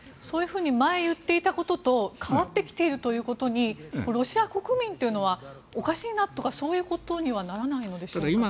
そういうふうに前言っていたことと変わってきているということにロシア国民というのはおかしいなとかそういうことにはならないのでしょうか。